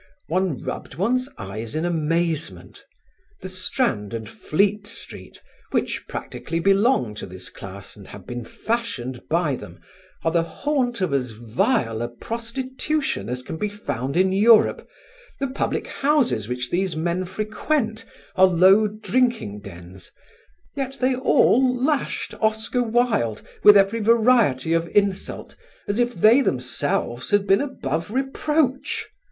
One rubbed one's eyes in amazement. The Strand and Fleet Street, which practically belong to this class and have been fashioned by them, are the haunt of as vile a prostitution as can be found in Europe; the public houses which these men frequent are low drinking dens; yet they all lashed Oscar Wilde with every variety of insult as if they themselves had been above reproach.